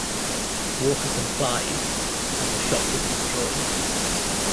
Walker complied, and the shop was destroyed.